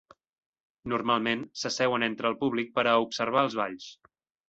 Normalment, s'asseuen entre el públic per a observar els balls.